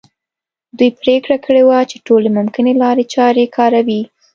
دوی پرېکړه کړې وه چې ټولې ممکنه لارې چارې کاروي.